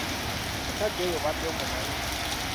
Omusajja oyo obadde omumanyi?